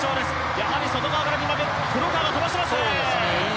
やはり外側から黒川、飛ばしていますね。